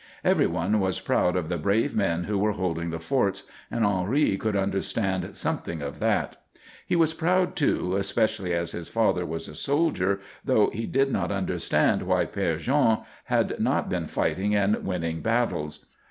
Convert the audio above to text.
Every one was proud of the brave men who were holding the forts, and Henri could understand something of that. He was proud, too, especially as his father was a soldier, though he did not understand why Père Jean had not been fighting and winning battles.